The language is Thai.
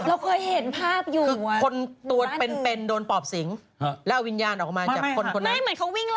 เออรู้จักได้ไง